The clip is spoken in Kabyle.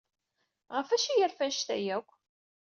Ɣef wacu ay yerfa anect-a akk?